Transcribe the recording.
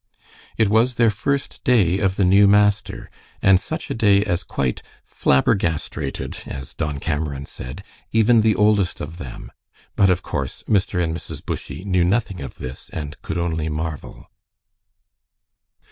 It was their first day of the new master, and such a day as quite "flabbergastrated," as Don Cameron said, even the oldest of them. But of course Mr. and Mrs. Bushy knew nothing of this, and could only marvel.